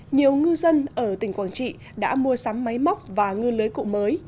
nhiều ngư dân ở tỉnh quảng trị đã mua sắm máy móc và ngư lưới cụ mới